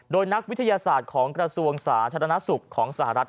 โดยนักวิทยาศาสตร์ของกระทรวงสาธารณสุขของสหรัฐ